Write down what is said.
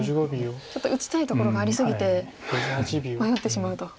ちょっと打ちたいところがあり過ぎて迷ってしまうと。